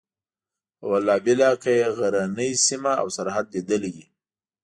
په والله بالله که یې غزنۍ سیمه او سرحد لیدلی وي.